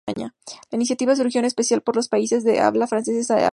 La iniciativa surgió, en especial, por los países de habla francesa de África.